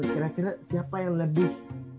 kira kira siapa yang lebih